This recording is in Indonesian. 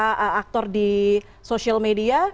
dari beberapa aktor di sosial media